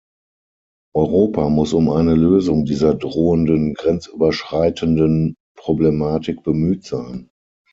Europa muss um eine Lösung dieser drohenden grenzüberschreitenden Problematik bemüht sein.